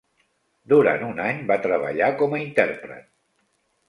Durant un any va treballar com a intèrpret.